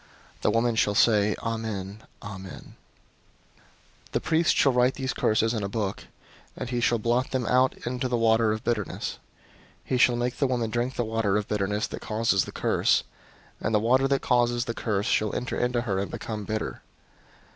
The woman shall say, 'Amen, Amen.' 005:023 "The priest shall write these curses in a book, and he shall blot them out into the water of bitterness. 005:024 He shall make the woman drink the water of bitterness that causes the curse; and the water that causes the curse shall enter into her and become bitter.